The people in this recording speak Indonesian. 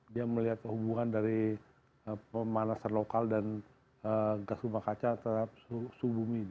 dia melihat hubungan dari pemanasan lokal dan gas rumah kaca terhadap suhu bumi